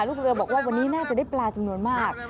ลูกเรือบอกว่าวันนี้น่าจะได้ปลาจำนวนมาก